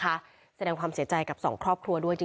ก็แสดงความเสียใจด้วยจริงกับครอบครัวนะคะ